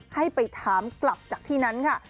ให้ไปถามกลับจากที่นั้นค่ะ